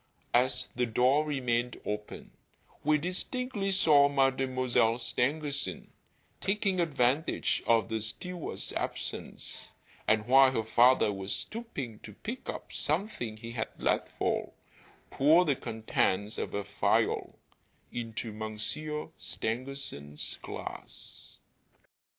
As the door remained open, we distinctly saw Mademoiselle Stangerson, taking advantage of the steward's absence, and while her father was stooping to pick up something he had let fall, pour the contents of a phial into Monsieur Stangerson's glass.